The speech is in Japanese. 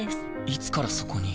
いつからそこに？